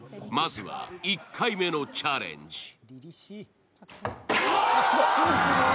まずは１回目のチャレンジ。